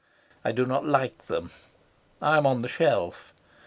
I do not like them. I am on the shelf.